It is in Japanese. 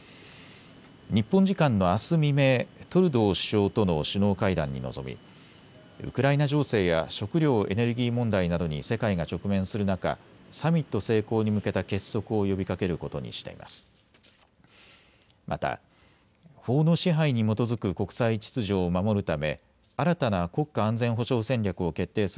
日本時間のあす未明、トルドー首相との首脳会談に臨みウクライナ情勢や食料・エネルギー問題などに世界が直面する中、サミット成功に向けた結束を呼びかけることにしています。